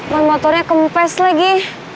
ban motornya kempes lagi